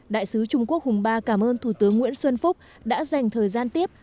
đại sứ trung quốc hùng ba cảm ơn thủ tướng nguyễn xuân phúc đã dành thời gian tiếp